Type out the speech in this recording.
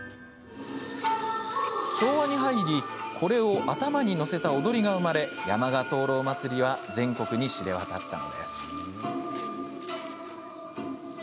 昭和に入り、これを頭に載せた踊りが生まれ山鹿灯籠まつりは全国に知れ渡りました。